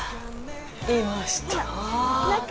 いました！